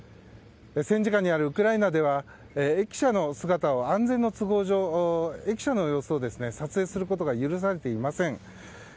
戦時下にあるウクライナでは安全の都合上駅舎の様子を撮影することが許されていません。